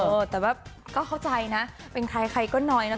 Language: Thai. เออแต่ว่าก็เข้าใจนะเป็นใครใครก็น้อยนะ